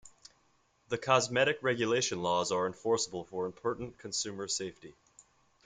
The cosmetic regulation laws are enforceable for important consumer safety.